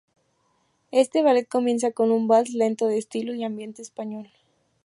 Este ballet comienza con un vals lento de estilo y ambiente español.